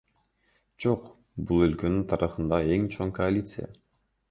Жок, бул өлкөнүн тарыхындагы эң чоң коалиция.